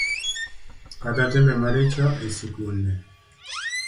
Kata timbe maricho e sikunde